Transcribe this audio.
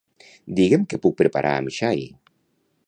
Digue'm què puc preparar amb xai.